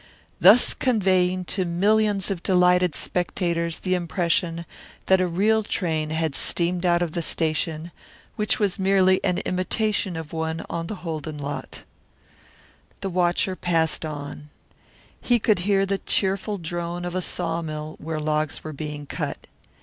Thus conveying to millions of delighted spectators the impression that a real train had steamed out of the station, which was merely an imitation of one, on the Holden lot. The watcher passed on. He could hear the cheerful drone of a sawmill where logs were being cut.